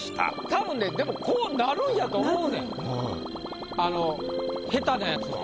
たぶんねでもこうなるんやと思うねん下手なやつは。